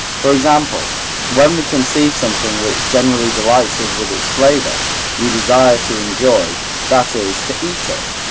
For example, when we conceive something which generally delights us with its flavour, we desire to enjoy, that is, to eat it.